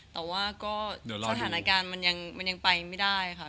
แต่ว่าก็เดี๋ยวรอสถานการณ์มันยังไปไม่ได้ค่ะ